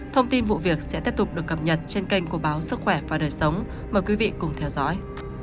thông tin vụ việc sẽ tiếp tục được cập nhật trên kênh của báo sức khỏe và đời sống mời quý vị cùng theo dõi